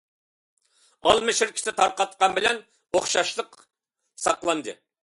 ئالما شىركىتى تارقاتقان بىلەن ئوخشاشلىق ساقلاندى.